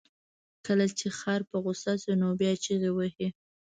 کله چې خر په غوسه شي، نو بیا چغې وهي.